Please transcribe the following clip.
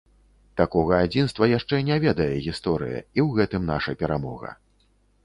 Такога адзінства яшчэ не ведае гісторыя, і ў гэтым наша перамога.